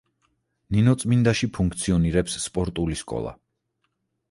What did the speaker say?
ნინოწმინდაში ფუნქციონირებს სპორტული სკოლა.